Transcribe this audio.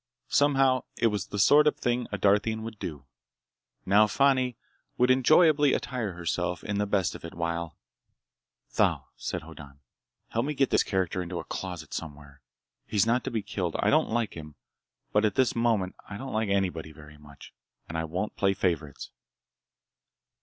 Somehow it was the sort of thing a Darthian would do. Now Fani would enjoyably attire herself in the best of it while— "Thal," said Hoddan, "help me get this character into a closet somewhere. He's not to be killed. I don't like him, but at this moment I don't like anybody very much, and I won't play favorites."